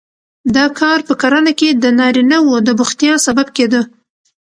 دا کار په کرنه کې د نارینه وو د بوختیا سبب کېده